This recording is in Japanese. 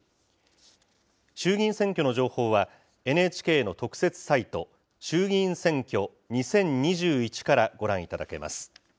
衆議院選挙の情報は、ＮＨＫの特設サイト、衆議院選挙２０２１からご覧いただけます。